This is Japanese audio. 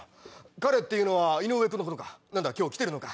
彼っていうのは井上君のことか何だ今日来てるのか。